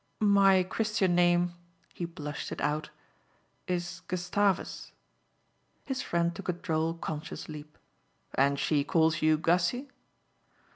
"My Christian name" he blushed it out "is Gustavus." His friend took a droll conscious leap. "And she calls you Gussy?"